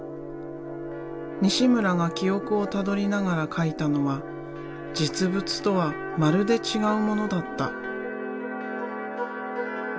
西村が記憶をたどりながら描いたのは実物とはまるで違うものだった。